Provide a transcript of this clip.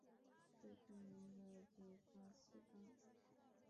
最著名的即八思巴。